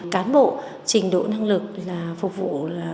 cán bộ trình độ năng lực là phục vụ